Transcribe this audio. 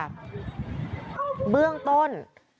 เบื้องต้น